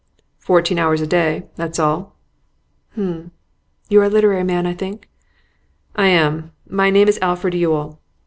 'Fourteen hours a day, that's all.' 'H'm! You are a literary man, I think?' 'I am. My name is Alfred Yule.